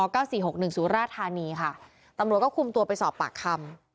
เก้าสี่หกหนึ่งสุราธานีค่ะตำรวจก็คุมตัวไปสอบปากคำ